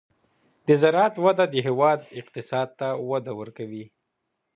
د زراعت وده د هېواد اقتصاد ته وده ورکوي.